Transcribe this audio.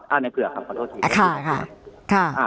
อ่าในเผือกครับขอโทษทีอ่าค่ะค่ะอ่า